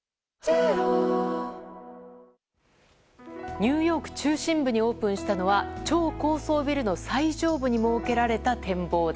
ニューヨーク中心部にオープンしたのは超高層ビルの最上部に設けられた展望台。